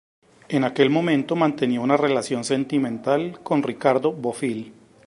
En aquel momento mantenía una relación sentimental con Ricardo Bofill.